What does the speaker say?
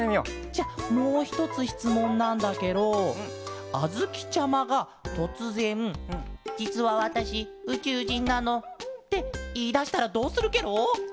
じゃもうひとつしつもんなんだケロあづきちゃまがとつぜん「じつはわたしうちゅうじんなの」っていいだしたらどうするケロ？